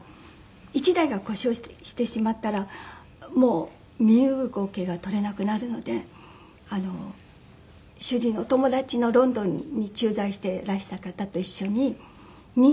１台が故障してしまったらもう身動きが取れなくなるので主人のお友達のロンドンに駐在してらした方と一緒に２台で。